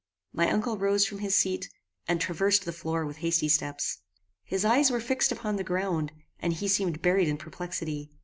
My uncle rose from his seat, and traversed the floor with hasty steps. His eyes were fixed upon the ground, and he seemed buried in perplexity.